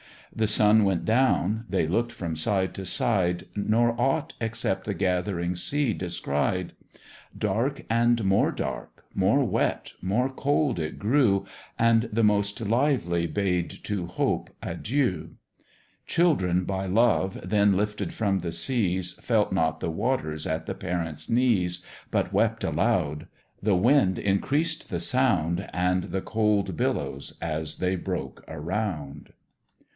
The sun went down, they look'd from side to side, Nor aught except the gathering sea descried; Dark and more dark, more wet, more cold it grew, And the most lively bade to hope adieu: Children by love then lifted from the seas, Felt not the waters at the parent's knees, But wept aloud; the wind increased the sound, And the cold billows as they broke around.